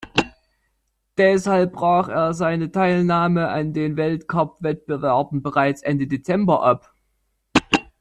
Deshalb brach er seine Teilnahme an den Weltcupwettbewerben bereits Ende Dezember ab.